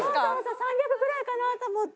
３００ぐらいかなと思って。